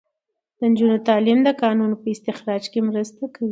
د نجونو تعلیم د کانونو په استخراج کې مرسته کوي.